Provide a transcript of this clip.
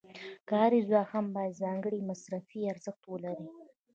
کاري ځواک هم باید ځانګړی مصرفي ارزښت ولري